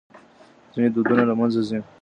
ځينې دودونه له منځه ځي.